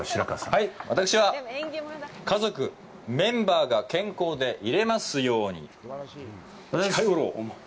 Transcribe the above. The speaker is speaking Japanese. はい、私は「家族、メンバーが健康でいれますように！！」。控えおろう！